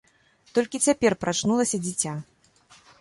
Толькі цяпер прачнулася дзіця.